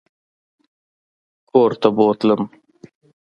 کورته بوتلم.